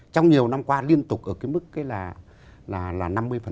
trong nhiều năm qua liên tục ở cái mức là năm mươi